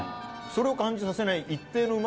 それを感じさせない。